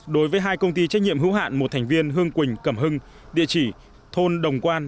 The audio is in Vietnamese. đối với hai công ty trách nhiệm hữu hạn một thành viên hương quỳnh cẩm hưng địa chỉ thôn đồng quan